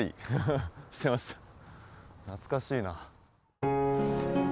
懐かしいな。